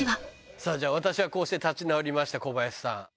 さあ、じゃあ、私はこうして立ち直りました、小林さん。